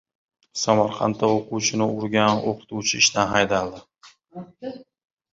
Samarqandda o‘quvchini urgan o‘qituvchi ishdan haydaldi